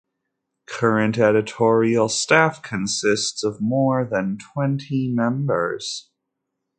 Current editorial staff consists of more than twenty members.